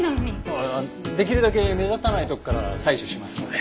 ああできるだけ目立たないとこから採取しますので。